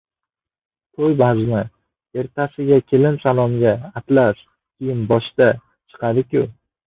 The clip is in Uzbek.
to‘y bazmi ertasiga kelin salomga atlas kiyim-boshda chiqadi-ku?